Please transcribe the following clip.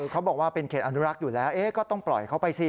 เขาบอกว่าเป็นเขตอนุรักษ์อยู่แล้วก็ต้องปล่อยเขาไปสิ